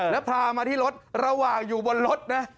แล้วพามาที่รถระหว่างอยู่บนรถนะ